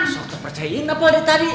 suster percayain apa dia tadi